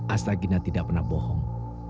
astagina tidak pernah bohong